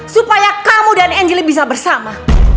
supaya kamu dan angelie bisa bersama